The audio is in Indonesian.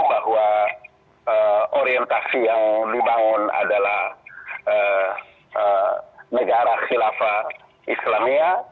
bahwa orientasi yang dibangun adalah negara khilafah islamia